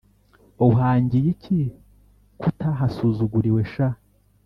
uhangiye iki kutahasuzuguriwe sha?"